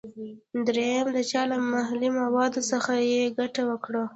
دریم دا چې له محلي موادو څخه یې ګټه وکړه.